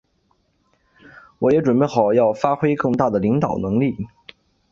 我也准备好要发挥更大的领导能力。